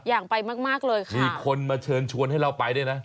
อยากไปมากมากเลยค่ะมีคนมาเชิญชวนให้เราไปด้วยนะ